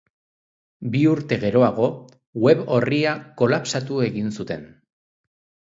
Bi urte geroago, web orria kolapsatu egin zuten.